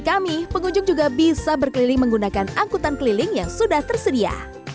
kami pengunjung juga bisa berkeliling menggunakan angkutan keliling yang sudah tersedia